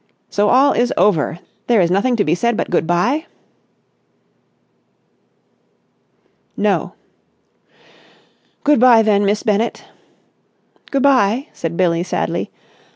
So all is over! There is nothing to be said but good bye?" "No." "Good bye, then, Miss Bennett!" "Good bye," said Billie sadly.